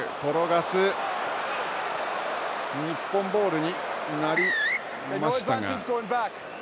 日本ボールになりましたが。